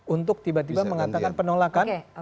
untuk tiba tiba mengatakan penolakan